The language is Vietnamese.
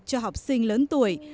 cho học sinh lớn tuổi